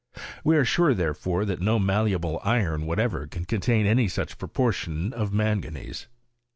We are sure, therefore, that no malleable iron what ever can contain any such proportion of manganese.